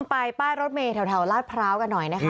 ไปป้ายรถเมย์แถวลาดพร้าวกันหน่อยนะคะ